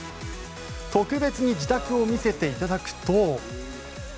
特別に自宅を見せていただくと。